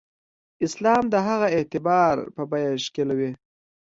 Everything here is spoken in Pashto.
اسلام د هغه اعتبار په بیه ښکېلوي.